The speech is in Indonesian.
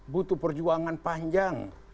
butuh perjuangan panjang